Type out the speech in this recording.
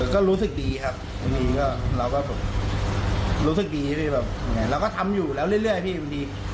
ก็รู้สึกดีครับเราก็รู้สึกดีเราก็ทำอยู่แล้วเรื่อยพี่มันดี